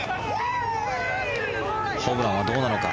ホブランはどうなのか。